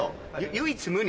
「唯一無二」